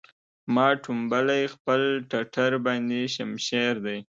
ما ټومبلی خپل ټټر باندې شمشېر دی